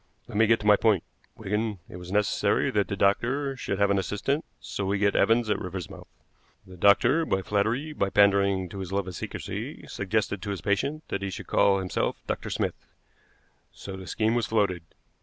"Let me get to my point, Wigan. It was necessary that the doctor should have an assistant, so we get Evans at Riversmouth. The doctor, by flattery, by pandering to his love of secrecy, suggested to his patient that he should call himself Dr. Smith. So the scheme was floated.